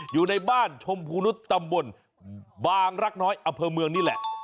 อยู่ในบ้านชมพูนุษย์ตำบลบางรักน้อยอเภอเมืองนี่แหละ